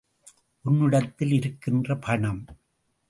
உன்னிடத்தில் இருக்கின்ற பணம்!